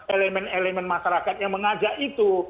elemen elemen masyarakat yang mengajak itu